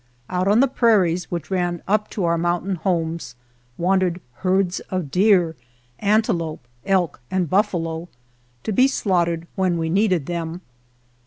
Out on the prairies, which ran up to our mountain homes, wandered herds of deer, antelope, elk, and buffalo, to be slaughtered when we needed them.